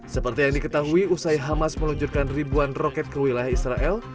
seperti yang diketahui usai hamas meluncurkan ribuan roket ke wilayah israel